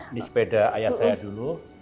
ini sepeda ayah saya dulu